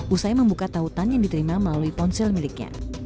usai membuka tautan yang diterima melalui ponsel miliknya